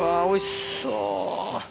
おいしそう。